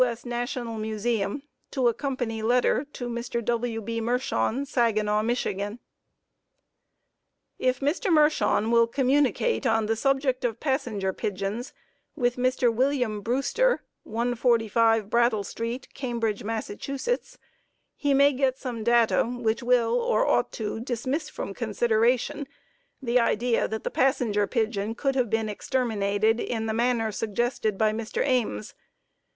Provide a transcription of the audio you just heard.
S. National Museum, to accompany letter to Mr. W. B. Mershon, Saginaw, Mich._ If Mr. Mershon will communicate on the subject of Passenger Pigeons with Mr. William Brewster,[E] 145 Brattle Street, Cambridge, Mass., he may get some data which will (or ought to) dismiss from consideration the idea that the passenger pigeon could have been exterminated in the manner suggested by Mr. Ames.